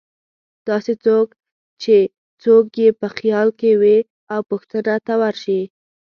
داسې څوک چې څوک یې په خیال کې وې او پوښتنې ته ورشي.